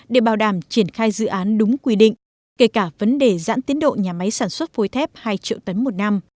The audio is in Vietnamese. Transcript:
để bảo đảm triển khai dự án đúng quy định kể cả vấn đề giãn tiến độ nhà máy sản xuất phối thép hai triệu tấn một năm